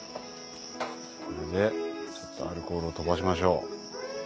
これでアルコールを飛ばしましょう。